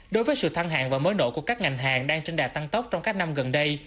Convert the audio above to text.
đối với sự thăng hạng và mới nổ của các ngành hàng đang trên đà tăng tốc trong các năm gần đây